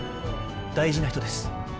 大事な人です。